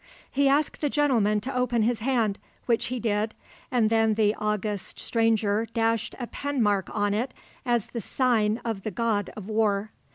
He asked the gentleman to open his hand, which he did, and then the august stranger dashed a pen mark on it as the sign of the God of War.